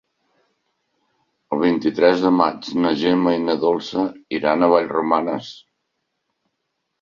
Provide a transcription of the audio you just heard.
El vint-i-tres de maig na Gemma i na Dolça iran a Vallromanes.